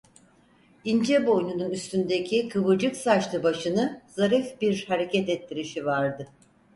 İnce boynunun üstündeki kıvırcık saçlı başını zarif bir hareket ettirişi vardı.